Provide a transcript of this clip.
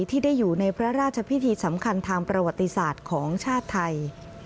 ที่ได้อยู่ในพระราชพิธีสำคัญทางประวัติศาสตร์ของชาติไทย